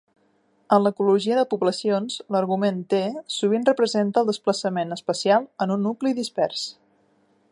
En l'ecologia de poblacions, l'argument "t" sovint representa el desplaçament espacial en un nucli dispers.